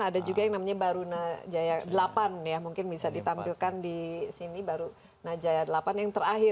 ada juga yang namanya barunajaya delapan ya mungkin bisa ditampilkan di sini baru najaya delapan yang terakhir